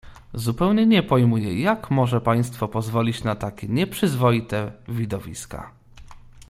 "Zupełnie nie pojmuję, jak może państwo pozwolić na takie nieprzyzwoite widowiska?"